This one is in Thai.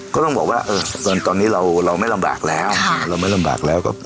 ก็ต้องบอกว่าตอนนี้เราไม่ลำบากแล้ว